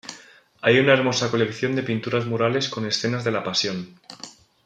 Hay una hermosa colección de pinturas murales con escenas de la Pasión.